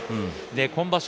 今場所